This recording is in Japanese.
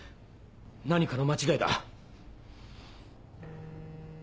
何かの間違いだ。